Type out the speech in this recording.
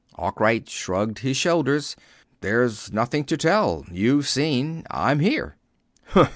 Arkwright shrugged his shoulders. "There's nothing to tell. You've seen. I'm here."